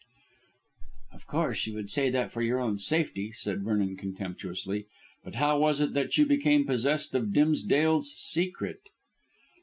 "Of course, you would say that for your own safety," said Vernon contemptuously; "but how was it that you became possessed of Dimsdale's secret?"